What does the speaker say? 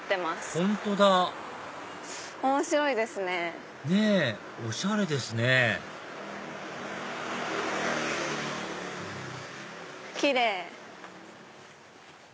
本当だ面白いですね。ねぇおしゃれですね奇麗！